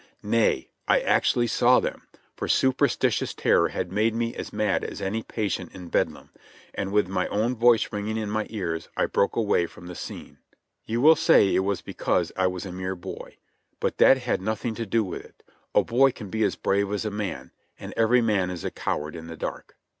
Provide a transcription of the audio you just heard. Nay, I actually saw them, for superstitious terror had made me as mad as any patient in Bedlam, and with my own voice ringing in my ears, I broke away from the scene. You will say it was because I was a mere boy, but that had nothing to do with it — a boy can be as brave as a man. And every man is a coward in the dark.